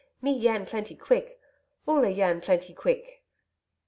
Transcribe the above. Me YAN plenty quick. Oola YAN* plenty quick.